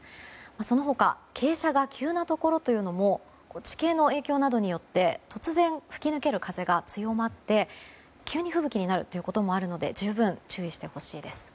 その他、傾斜が急なところというのも地形の影響で突然吹き抜ける風が強まって急に吹雪になることもあるので十分注意してほしいです。